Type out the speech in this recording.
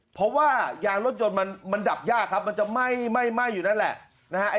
เพราะว่ายางรถยนต์มันดับยากครับมันจะไหม้อยู่นั่นแหละนะฮะ